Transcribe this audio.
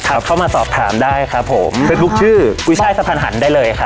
เข้ามาสอบถามได้ครับผมเฟซบุ๊คชื่อกุ้ยช่ายสะพานหันได้เลยค่ะ